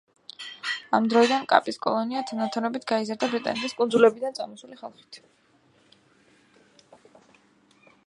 ამ დროიდან კაპის კოლონია თანდათანობით გაიზარდა ბრიტანეთის კუნძულებიდან წამოსული ხალხით.